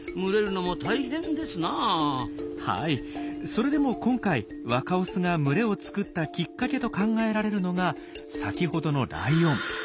それでも今回若オスが群れを作ったきっかけと考えられるのが先程のライオン。